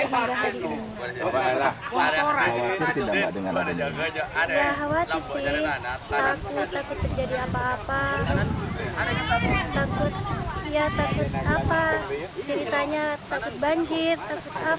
hingga hari ini ya khawatir sih takut takut terjadi apa apa